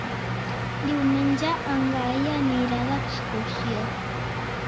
Diumenge en Gaël anirà d'excursió.